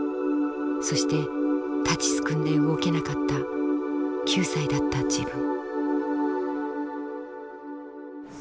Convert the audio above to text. そして立ちすくんで動けなかった９歳だった自分。